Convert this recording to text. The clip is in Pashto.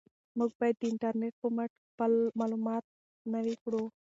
موږ باید د انټرنیټ په مټ خپل معلومات نوي کړو.